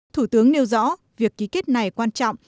thủ tướng nêu rõ việc ký kết này quan trọng